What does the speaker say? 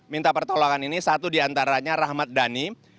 minta pertolongan ini satu diantaranya rahmat dhani